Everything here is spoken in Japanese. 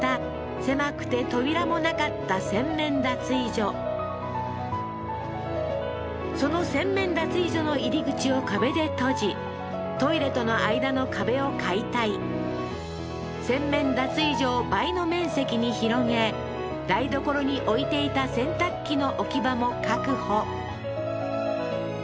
狭くて扉もなかった洗面脱衣所その洗面脱衣所の入り口を壁で閉じトイレとの間の壁を解体洗面脱衣所を倍の面積に広げ台所に置いていた洗濯機の置き場も確保